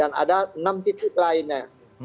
dan ada enam titik lainnya